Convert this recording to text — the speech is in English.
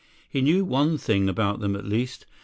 He knew one thing about them at least.